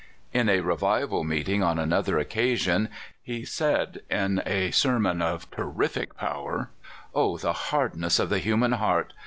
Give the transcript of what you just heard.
In a revival meeting, on another occasion, he said, in a sermon of terrific power: "O the hard ness of the human heart!